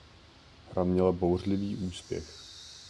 Hra měla bouřlivý úspěch.